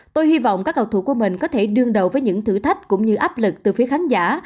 tôi hy vọng các cầu thủ của mình có thể đương đầu với những thử thách cũng như áp lực từ phía khán giả